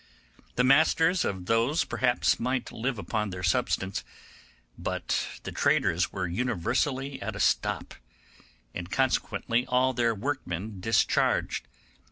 The masters of those perhaps might live upon their substance, but the traders were universally at a stop, and consequently all their workmen discharged.